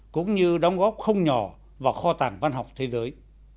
cũng như đóng góp không nhỏ vào kho tàng văn học thế giới